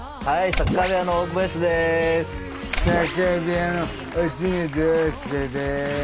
サッカー部屋の落水洋介です。